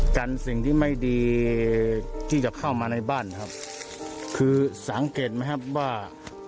กันสิ่งที่ไม่ดีที่จะเข้ามาในบ้านครับคือสังเกตไหมครับว่า